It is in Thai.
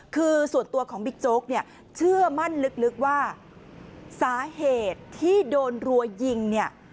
คือส่วนตัวของบิ๊กโจ๊กเนี่ยเชื่อมั่นลึกว่าสาเหตุที่โดนรัวยิงเนี่ย